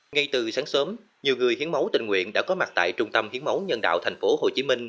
ngay từ sáng sớm nhiều người hiến máu tình nguyện đã có mặt tại trung tâm hiến máu nhân đạo tp hcm